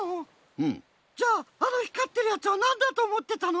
じゃああの光ってるやつはなんだとおもってたの？